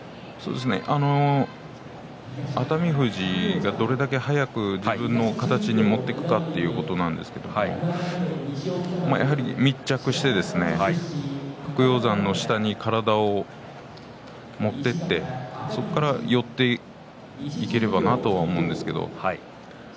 熱海富士がどれだけ速く自分の形に持っていくかということなんですけどやはり密着して白鷹山の下に体を持っていってそこから寄っていければなと思います。